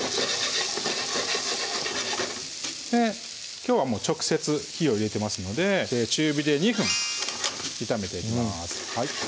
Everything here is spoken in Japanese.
きょうは直接火を入れてますので中火で２分炒めていきます